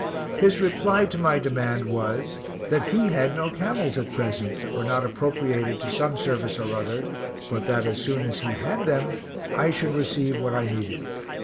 His reply to my demand was, that he had no camels, at present, that were not appropriated to some service or other, but that, as soon as he had them, I should receive what I needed.